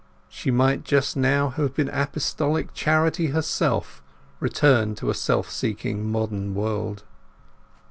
She might just now have been Apostolic Charity herself returned to a self seeking modern world.